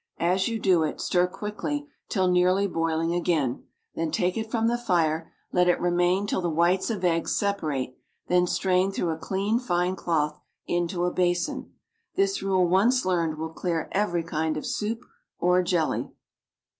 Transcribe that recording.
as you do it, stir quickly till nearly boiling again, then take it from the fire, let it remain till the whites of eggs separate; then strain through a clean, fine cloth into a basin. This rule once learned will clear every kind of soup or jelly.